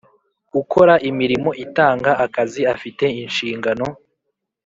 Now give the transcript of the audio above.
Ukora imirimo itanga akazi afite ishingano